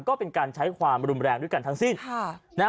ก็เป็นการใช้ความรุนแรงด้วยกันทั้งสิ้น